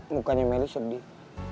mukanya meli sedih